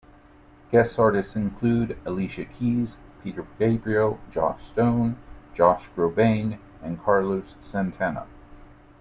Guests artists include Alicia Keys, Peter Gabriel, Joss Stone, Josh Groban and Carlos Santana.